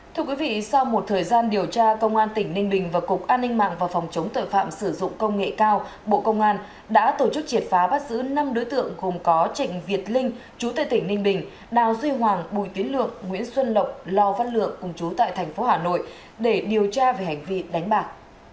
thưa quý vị sau một thời gian điều tra công an tỉnh ninh bình và cục an ninh mạng và phòng chống tội phạm sử dụng công nghệ cao bộ công an đã tổ chức triệt phá bắt giữ năm đối tượng gồm có trịnh việt linh chú tệ tỉnh ninh bình đào duy hoàng bùi tiến lượng nguyễn xuân lộc lò văn lượng cùng chú tại thành phố hà nội để điều tra về hành vi đánh bạc